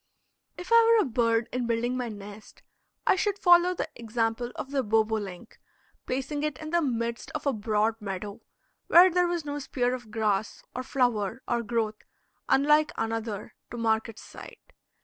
If I were a bird, in building my nest I should follow the example of the bobolink, placing it in the midst of a broad meadow, where there was no spear of grass, or flower or growth unlike another to mark its site.